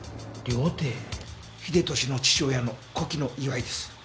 英利の父親の古希の祝いです。